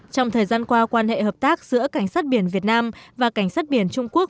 trong thời gian qua quan hệ hợp tác giữa cảnh sát biển việt nam và cảnh sát biển trung quốc